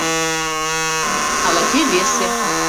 Ала-кӧ весе.